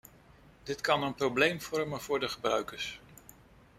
Dit kan een probleem vormen voor de gebruikers.